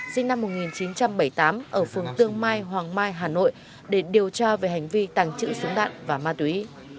sinh năm một nghìn chín trăm bảy mươi tám ở phường tương mai hoàng mai hà nội để điều tra về hành vi tàng trữ súng đạn và ma túy